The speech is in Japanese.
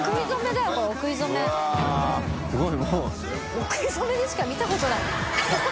お食い初めでしか見たことない。